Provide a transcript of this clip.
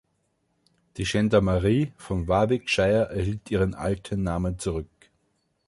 Die Gendarmerie von Warwickshire erhielt ihren alten Namen zurück.